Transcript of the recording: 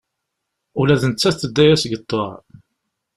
Ula d nettat tedda-yas deg ṭṭuɛ.